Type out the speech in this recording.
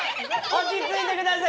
落ち着いてください！